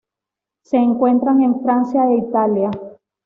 Se encuentran en Francia e Italia.